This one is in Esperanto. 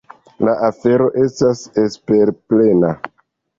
La afero estas esperplena.